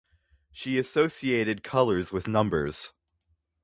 She associated colours with numbers.